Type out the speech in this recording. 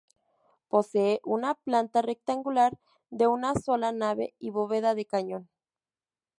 Posee una planta rectangular, de una sola nave y bóveda de cañón.